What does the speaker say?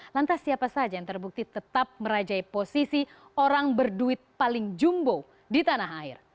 lantas siapa saja yang terbukti tetap merajai posisi orang berduit paling jumbo di tanah air